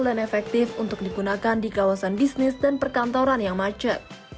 dan efektif untuk digunakan di kawasan bisnis dan perkantoran yang macet